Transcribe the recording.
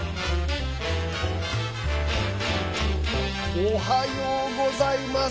おはようございます。